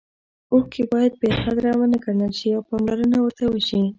اوښکې باید بې قدره ونه ګڼل شي او پاملرنه ورته وشي.